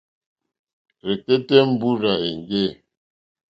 Rzɛ̀kɛ́tɛ́ mbúrzà èŋɡê.